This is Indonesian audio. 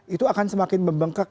itu akan semakin membengkak